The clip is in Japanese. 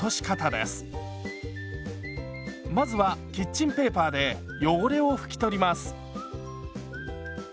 まずはキッチンペーパーで汚れを拭き取ります。